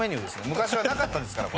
昔はなかったんですからこれ。